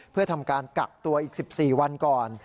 เพื่อทำการกักตัวอีก๑๔วันก่อน